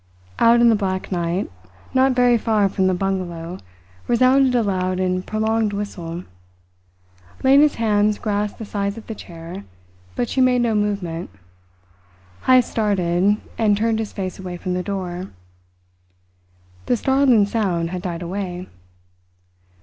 Out in the black night, not very far from the bungalow, resounded a loud and prolonged whistle. Lena's hands grasped the sides of the chair, but she made no movement. Heyst started, and turned his face away from the door. The startling sound had died away.